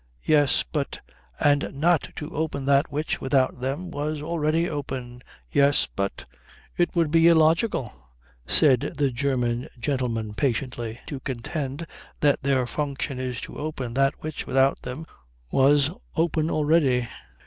"Yes. But " "And not to open that which, without them, was open already." "Y'es. But " "It would be illogical," said the German gentleman patiently, "to contend that their function is to open that which, without them, was open already."